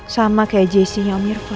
sama kayak jessy nya om irfan